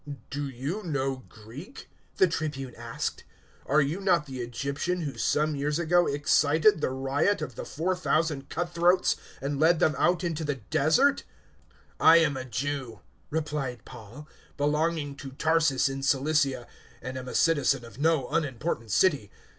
"Do you know Greek?" the Tribune asked. 021:038 "Are you not the Egyptian who some years ago excited the riot of the 4,000 cut throats, and led them out into the Desert?" 021:039 "I am a Jew," replied Paul, "belonging to Tarsus in Cilicia, and am a citizen of no unimportant city.